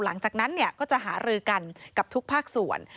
หลังจากนั้นก็จะหารือกันกับทุกภาคส่วน